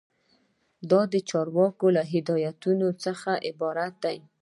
دا د چارواکو له هدایاتو څخه عبارت دی.